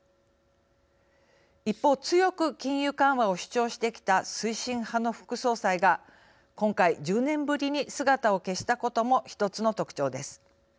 一方強く金融緩和を主張してきた推進派の副総裁が今回１０年ぶりに姿を消したことも一つの特徴です。